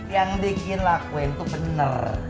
yang bikin lakuin tuh bener